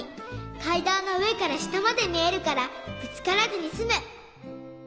かいだんのうえからしたまでみえるからぶつからずにすむ。